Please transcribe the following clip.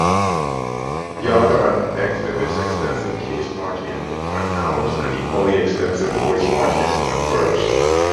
Yahgan exhibits extensive case marking on nouns and equally extensive voice marking on verbs.